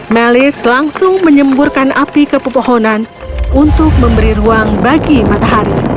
melis langsung menyemburkan api ke pepohonan untuk memberi ruang bagi matahari